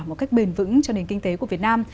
một cách bền vững cho nền kinh tế của việt nam